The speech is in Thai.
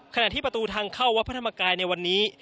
ขณะที่ประตูทางเข้าวัดพระธรรมกายในวันนี้